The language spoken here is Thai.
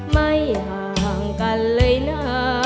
ไม่ห่างกันเลยนะ